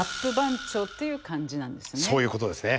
そういうことですね。